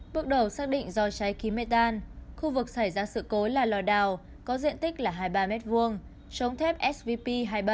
bước đầu xác định do cháy khí mê tan khu vực xảy ra sự cố là lò đào có diện tích là hai mươi ba m hai chống thép svp hai mươi bảy